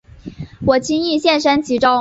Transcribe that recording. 我轻易陷身其中